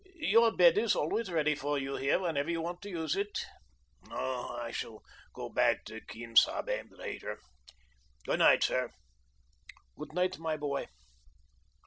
YOUR bed is always ready for you here whenever you want to use it." "No I shall go back to Quien Sabe later. Good night, sir." "Good night, my boy."